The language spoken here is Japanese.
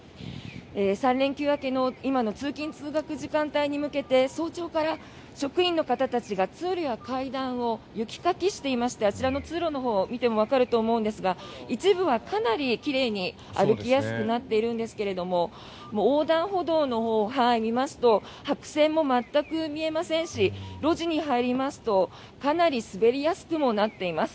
３連休明けの今の通勤・通学時間帯に向けて早朝から職員の方たちが通路や階段を雪かきしていましてあちらの通路のほうを見てもわかると思うんですが一部はかなり奇麗に歩きやすくなっているんですけど横断歩道のほうを見ますと白線も全く見えませんし路地に入りますとかなり滑りやすくもなっています。